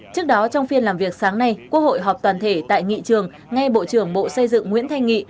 trước đó trong phiên làm việc sáng nay quốc hội họp toàn thể tại nghị trường nghe bộ trưởng bộ xây dựng nguyễn thanh nghị